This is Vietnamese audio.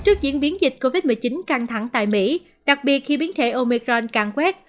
trước diễn biến dịch covid một mươi chín căng thẳng tại mỹ đặc biệt khi biến thể omecron càng quét